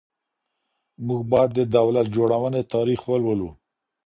موږ باید د دولت جوړونې تاریخ ولولو.